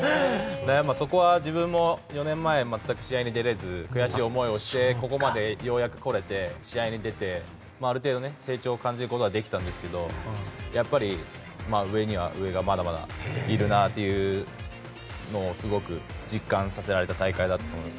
そこは自分も４年前全く試合に出られず悔しい思いをしてここまでようやく来れて試合に出て、ある程度成長を感じることができたんですけどやっぱり上には上がまだまだいるなというのをすごく実感させられた大会でした。